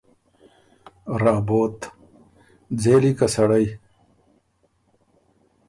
رابوت: ځېلی که سړئ